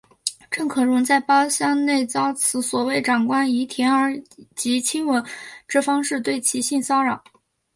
郑可荣在包厢内遭此所谓长官以舔耳及亲吻之方式对其性骚扰。